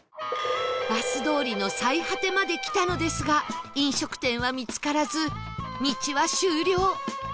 バス通りの最果てまで来たのですが飲食店は見つからず道は終了